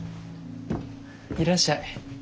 いらっしゃい。